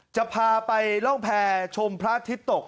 จะพาไปร่องแพรชมพระอาทิตย์ตก